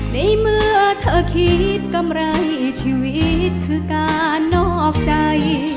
ในเมื่อเธอคิดกำไรชีวิตคือการนอกใจ